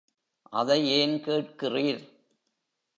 அதை ஏன் கேட்கிறீர்?